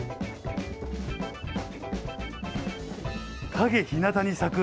陰ひなたに咲く。